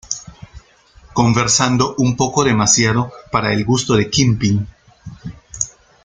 Conversando un poco demasiado para el gusto de Kingpin.